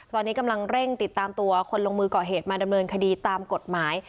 ตอนนี้กำลังเร่งติดตามตัวคนลงมือก่อเหตุมาดำเนินคดีตามกฎหมาย